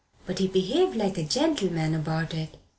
But he behaved like a gentleman about it.